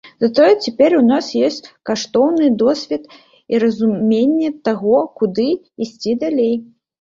Затое цяпер у нас ёсць каштоўны досвед і разуменне таго, куды ісці далей.